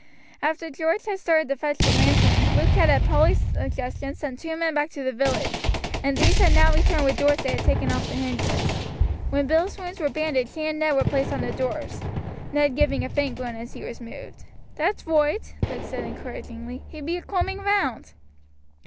After George had started to fetch the lantern, Luke had at Polly's suggestion sent two men back to the village, and these had now returned with doors they had taken off the hinges. When Bill's wounds were bandaged he and Ned were placed on the doors, Ned giving a faint groan as he was moved. "That's roight," Luke said encouragingly; "he be a cooming round."